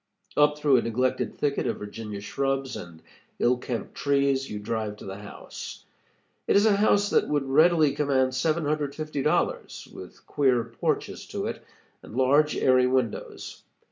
Up through a neglected thicket of Virginia shrubs and ill kempt trees you drive to the house. It is a house that would readily command $750, with queer porches to it, and large, airy windows.